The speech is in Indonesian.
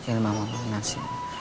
kamu sudah kemanin